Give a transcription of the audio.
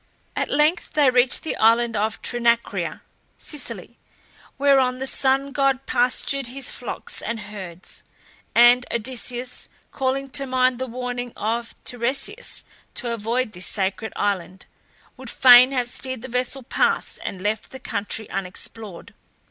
At length they reached the island of Trinacria (Sicily), whereon the sun god pastured his flocks and herds, and Odysseus, calling to mind the warning of Tiresias to avoid this sacred island, would fain have steered the vessel past and left the country unexplored.